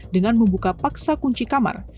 dengan membuka paksa kunci kamar